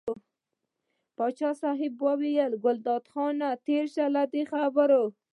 پاچا صاحب وویل ګلداد خانه تېر شه له دې خبرو.